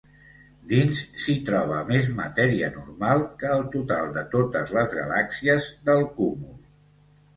Dins s'hi troba més matèria normal que el total de totes les galàxies del cúmul.